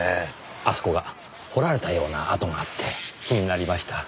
あそこが掘られたような跡があって気になりました。